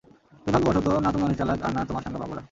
দূর্ভাগ্যবশত, না তুমি অনেক চালাক, আর না তোমার সাঙ্গ-পাঙ্গরা!